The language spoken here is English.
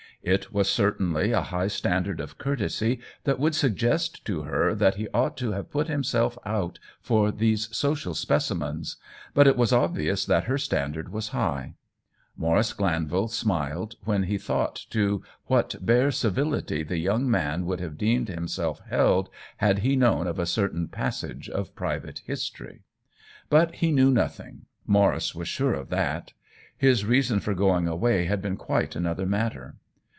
It was certainly a high standard of courtesy that would suggest to her that he ought to have put himself out for these social specimens ; but it was ob vious that her standard was high. Maurice Glanvil smiled when he thought to what bare civility the young man would have deemed himself held had he known of a certain passage of private history. But he knew nothing — Maurice was sure of that ; his reason for going away had been quite another matter.